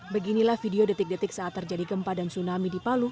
beginilah video detik detik saat terjadi gempa dan tsunami di palu